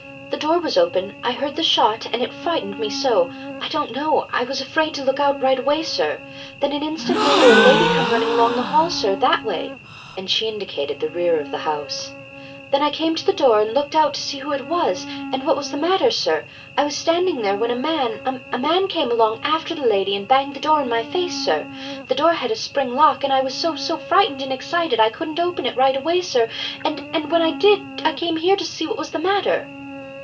"The door was open. I heard the shot, and it frightened me so I don't know I was afraid to look out right away, sir. Then, an instant later, a lady come running along the hall, sir that way," and she indicated the rear of the house. "Then I came to the door and looked out to see who it was, and what was the matter, sir. I was standing there when a man a man came along after the lady, and banged the door in my face, sir. The door had a spring lock, and I was so so frightened and excited I couldn't open it right away, sir, and and when I did I came here to see what was the matter."